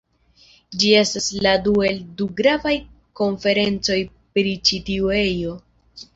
Ĝi estas la dua el du gravaj konferencoj pri ĉi tiu ejo.